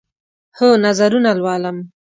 هو، نظرونه لولم